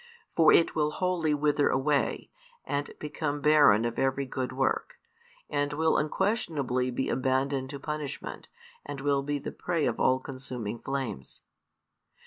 For it will wholly wither away, and become barren of every good work, and will unquestionably be abandoned to punishment, and be the prey of all consuming flames.